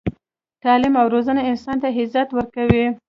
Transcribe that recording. تعلیم او روزنه انسان ته عزت ورکوي.